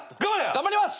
頑張ります！